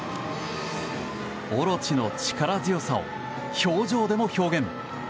大蛇の力強さを表情でも表現。